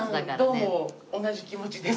どうも同じ気持ちです。